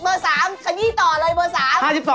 เบอร์๓ขยี้ต่อเลยเบอร์๓